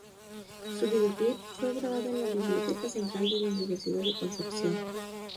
Su videoclip fue grabado en la Biblioteca Central de la Universidad de Concepción.